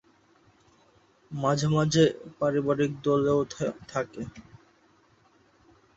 মাঝেমাঝে পারিবারিক দলেও থাকে।